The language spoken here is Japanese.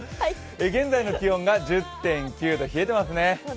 現在の気温が１０．９度、冷えてますね。